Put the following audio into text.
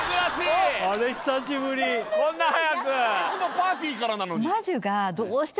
いつもパーティーからなのに。